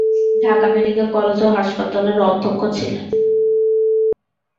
Dhaka medical college ও হাসপাতালের অধ্যক্ষ ছিলেন।